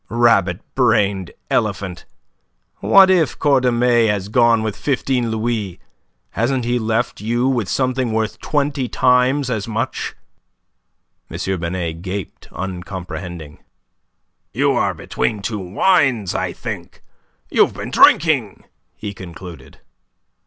"Rabbit brained elephant! What if Cordemais has gone with fifteen louis? Hasn't he left you something worth twenty times as much?" M. Binet gaped uncomprehending. "You are between two wines, I think. You've been drinking," he concluded.